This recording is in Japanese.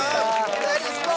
メダリスト！